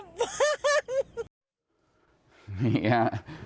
กูจะขับบ้าน